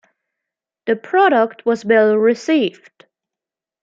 The product was well received.